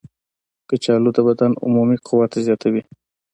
کچالو د بدن عمومي قوت زیاتوي.